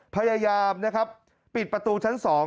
พยายามนะครับปิดประตูชั้น๒